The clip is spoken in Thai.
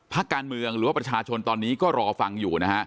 พักการเมืองหรือว่าประชาชนตอนนี้ก็รอฟังอยู่นะฮะ